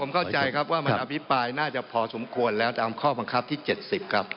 ผมเข้าใจครับว่ามันอภิปรายน่าจะพอสมควรแล้วตามข้อบังคับที่๗๐ครับ